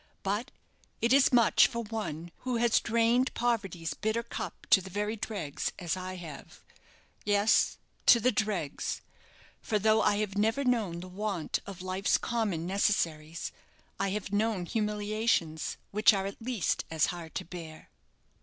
But it is much for one who has drained poverty's bitter cup to the very dregs as I have. Yes, to the dregs; for though I have never known the want of life's common necessaries, I have known humiliations which are at least as hard to bear."